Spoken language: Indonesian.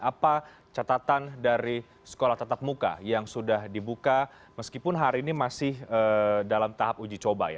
apa catatan dari sekolah tetap muka yang sudah dibuka meskipun hari ini masih dalam tahap uji coba ya